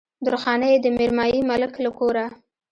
درخانۍ يې د ميرمايي ملک له کوره